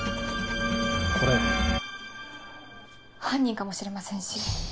犯人かもしれませんし。